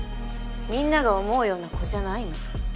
みんなが思うような子じゃないの。